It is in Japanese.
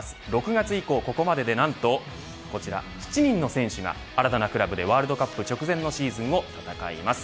６月以降、ここまでで何と７人の選手が新たなクラブでワールドカップ直前のシーズンを戦います。